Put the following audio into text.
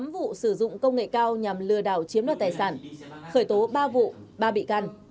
tám vụ sử dụng công nghệ cao nhằm lừa đảo chiếm đoạt tài sản khởi tố ba vụ ba bị can